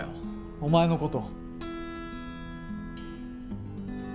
お前のこと。